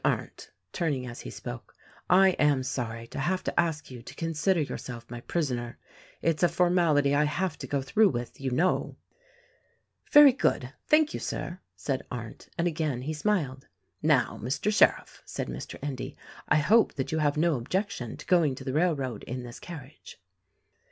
Arndt," — turning as he spoke — "I am sorry to have to ask you to consider your self my prisoner; it's a formality I have to go through with, you know." THE RECORDING ANGEL 79 "Very good! Thank you, Sir," said Arndt — and again he smiled. "Now, Mr. Sheriff," said Mr. Endy, "I hope that you have no objection to going to the railroad in this car riage."